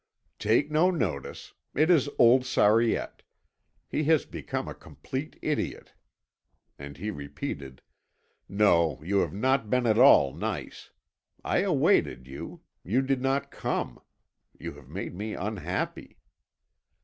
"Take no notice. It is old Sariette. He has become a complete idiot." And he repeated: "No, you have not been at all nice. I awaited you. You did not come. You have made me unhappy."